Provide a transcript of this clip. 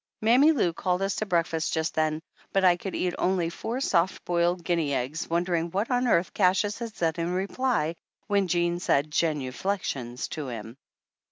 Mammy Lou called us to breakfast just then, but I could eat only four soft boiled guinea eggs, wondering what on earth Cassius had said in reply when Jean said genuflections to him.